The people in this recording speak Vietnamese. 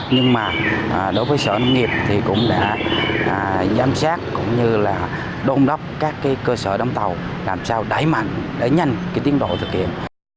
nhưng mà đối với sở nông nghiệp thì cũng đã giám sát cũng như là đôn đốc các cơ sở đóng tàu làm sao đẩy mạnh để nhanh tiến độ thực hiện